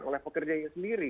oleh pekerjanya sendiri